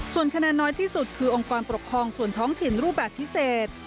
ส่วนคะแนนน้อยที่สุดคือองค์กรปกครองส่วนท้องถิ่นรูปแบบพิเศษ